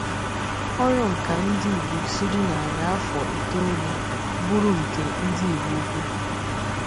Orụ nka ndi Igbo siri nari afọ itoolu buru nke ndi Igbo Ukwu.